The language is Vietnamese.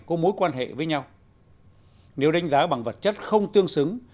có mối quan hệ với nhau nếu đánh giá bằng vật chất không tương xứng